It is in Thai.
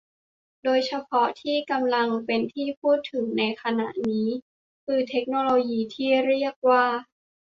โดยเฉพาะที่กำลังเป็นที่พูดถึงในขณะนี้คือเทคโนโลยีที่เรียกว่า